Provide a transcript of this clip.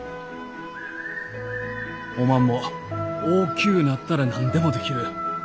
おまんも大きゅうなったら何でもできる。